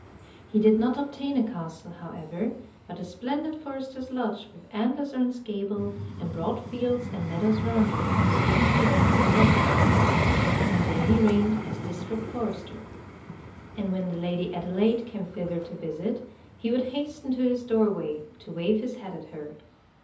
He did not obtain a castle, however, but a splendid forester's lodge with antlers on its gable and broad fields and meadows round it, was given to him for life. And there he reigned as district forester. 142 Tales of Modern Germany And when the Lady Adelaide came thither to visit, he would hasten to his doorway, to wave his hat at her.